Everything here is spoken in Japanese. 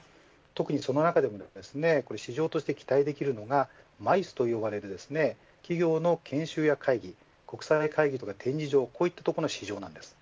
その中でも市場として期待できるのがＭＩＣＥと呼ばれる企業の研修や会議国際会議とか展示場の市場です。